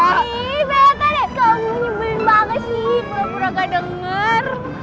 ini beneran ya kamu bener banget sih pura pura gak denger